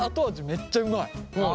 めっちゃうまい。